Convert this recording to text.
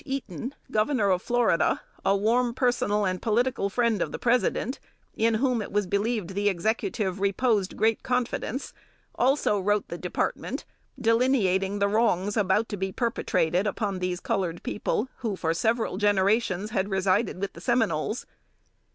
Eaton, Governor of Florida, a warm personal and political friend of the President, in whom it was believed the Executive reposed great confidence, also wrote the department, delineating the wrongs about to be perpetrated upon these colored people, who for several generations had resided with the Seminoles.